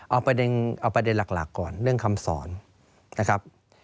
เอาประเด็นหลักก่อนเรื่องคำสอนนะครับ